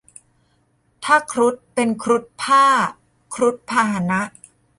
ถ้า ครุฑ เป็น ครุฑพ่าห์ ครุฑพาหนะ